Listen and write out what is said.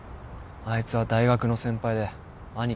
あいつは大学の先輩で兄貴の彼女。